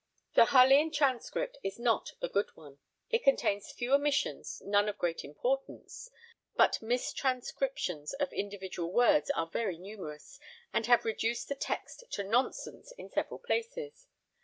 The Harleian transcript is not a good one. It contains few omissions, none of great importance, but mistranscriptions of individual words are very numerous and have reduced the text to nonsense in several places.